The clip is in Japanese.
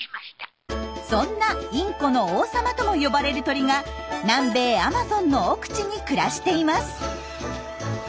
そんなインコの王様とも呼ばれる鳥が南米アマゾンの奥地に暮らしています。